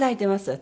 私。